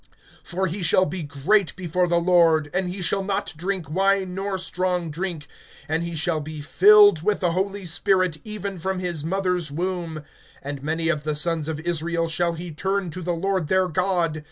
(15)For he shall be great before the Lord; and he shall not drink wine nor strong drink; and he shall be filled with the Holy Spirit, even from his mother's womb. (16)And many of the sons of Israel shall he turn to the Lord their God.